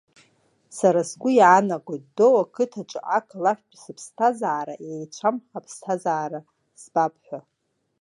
Сара сгәы иаанагоит Доу ақыҭаҿы ақалақьтәи сыԥсҭазаара еицәам аԥсҭазаара збап ҳәа…